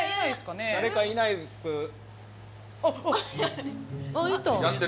誰かいないです？あっ。